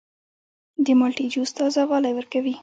د مالټې جوس تازه والی ورکوي.